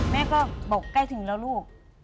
แม่ก็บอกใกล้ถึงแล้วลูก